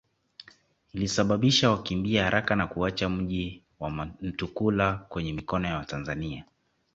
Ilisababisha wakimbie haraka na kuuacha mji wa Mtukula kwenye mikono ya watanzania